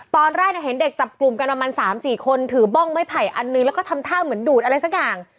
ตอนแรกเห็นเด็กจับกลุ่มกันประมาณ๓๔คนถือบ้องไม้ไผ่อันหนึ่งแล้วก็ทำท่าเหมือนดูดอะไรสักอย่าง